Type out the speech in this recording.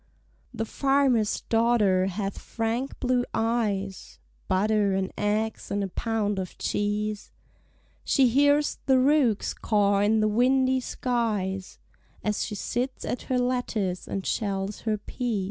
The farmer's daughter hath frank blue eyes; (Butter and eggs and a pound of cheese) She hears the rooks caw in the windy skies, As she sits at her lattice and shells her peas.